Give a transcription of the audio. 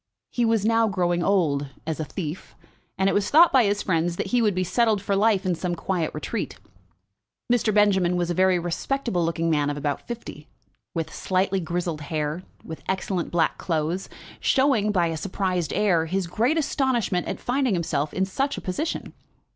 He was now growing old, as a thief; and it was thought by his friends that he would be settled for life in some quiet retreat. Mr. Benjamin was a very respectable looking man of about fifty, with slightly grizzled hair, with excellent black clothes, showing, by a surprised air, his great astonishment at finding himself in such a position.